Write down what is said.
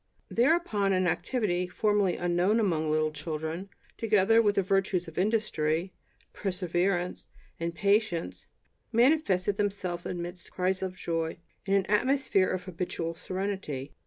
Thereupon an activity formerly unknown among little children, together with the virtues of industry, perseverance and patience, manifested themselves amidst crises of joy, in an atmosphere of habitual serenity.